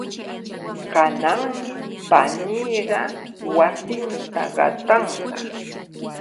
Kananmi paniiqa wasinta qatanqa.